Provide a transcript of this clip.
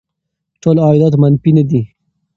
ټول عایدات منفي نه دي.